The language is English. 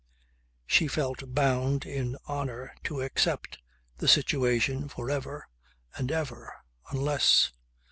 She felt bound in honour to accept the situation for ever and ever unless